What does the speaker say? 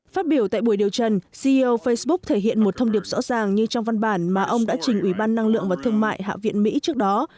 phát biểu tại buổi điều trần ceo facebook thể hiện một thông điệp rõ ràng như trong văn bản mà ông đã trình ủy ban năng lượng và thương mại hạ viện mỹ trước đó